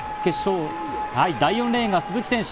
第４レーンが鈴木選手。